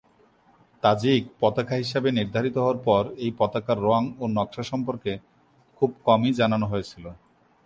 Tajik পতাকা হিসাবে নির্ধারিত হওয়ার পর এই পতাকার রঙ ও নকশা সম্পর্কে খুব কমই জানানো হয়েছিল।